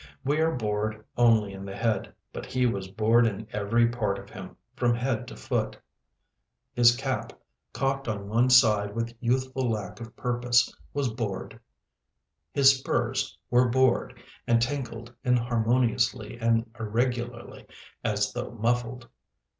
We are bored only in the head, but he was bored in every part of him, from head to foot: his cap, cocked on one side with youthful lack of purpose, was bored, his spurs were bored and tinkled inharmoniously and irregularly as though muffled.